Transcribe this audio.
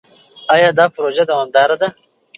ایا دا پروژه دوامداره ده؟